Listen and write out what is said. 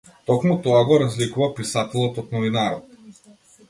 Токму тоа го разликува писателот од новинарот.